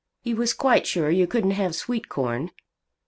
He was quite sure you couldn't have sweet corn.